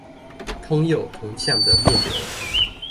通有同向的電流